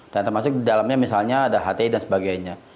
dan termasuk di dalamnya misalnya ada hti dan sebagainya